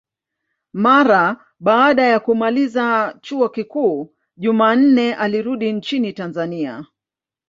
Mara baada ya kumaliza chuo kikuu, Jumanne alirudi nchini Tanzania.